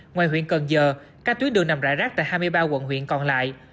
ngoài huyện cần giờ các tuyến đường nằm rải rác tại hai mươi ba quận huyện còn lại